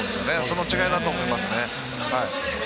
その違いだと思います。